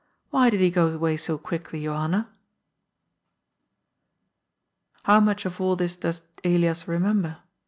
" Why did he go away so quickly, Johanna?" How much of all this does Elias remember